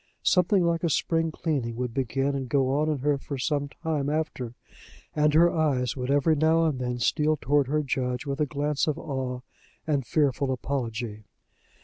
Something like a spring cleaning would begin and go on in her for some time after, and her eyes would every now and then steal toward her judge with a glance of awe and fearful apology.